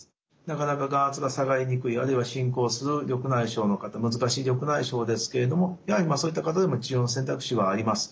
なかなか眼圧が下がりにくいあるいは進行する緑内障の方難しい緑内障ですけれどもやはりそういった方でも治療の選択肢はあります。